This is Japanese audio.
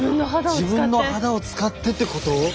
自分の肌を使ってってこと？